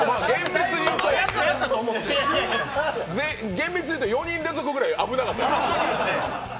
厳密に言ったら４人連続くらい危なかった。